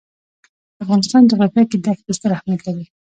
د افغانستان جغرافیه کې دښتې ستر اهمیت لري.